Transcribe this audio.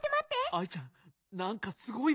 アイちゃんなんかすごいね。